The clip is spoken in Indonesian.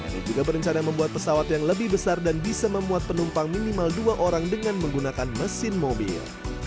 ini juga berencana membuat pesawat yang lebih besar dan bisa memuat penumpang minimal dua orang dengan menggunakan mesin mobil